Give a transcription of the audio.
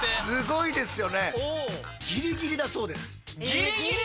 すごいですよね。